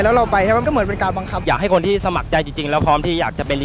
แล้วก็ตอนหางานทำ